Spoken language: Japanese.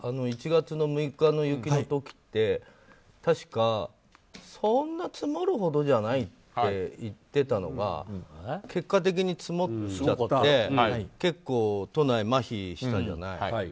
１月６日の雪の影響の時って確かそんな積もる程じゃないって言ってたのが結果的に積もっちゃって結構都内、まひしたじゃない。